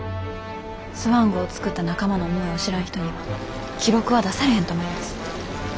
スワン号作った仲間の思いを知らん人には記録は出されへんと思います。